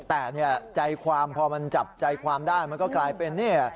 แต่ใจความพอมันจับใจความได้มันก็กลายเป็นนี่